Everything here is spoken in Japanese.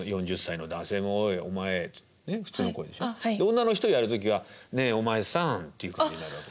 女の人やる時は「ねえお前さん」っていう感じになる訳ですよ。